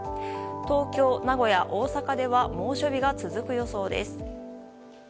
東京、名古屋、大阪では猛暑日が続く予想です。